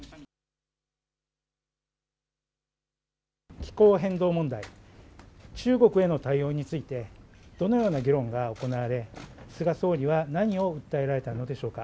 気候変動問題、中国への対応についてどのような議論が行われ菅総理は何を訴えられたのでしょうか。